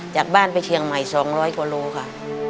จากบ้านไปเชียงใหม่๒๐๐กว่าโลค่ะ